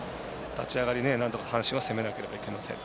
立ち上がりなんとか阪神は攻めなければいけません。